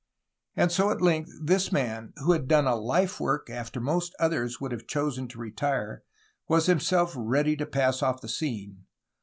And so at length this man, who had done a life work after most others would have chosen to retire, was himself ready to pass off the scene.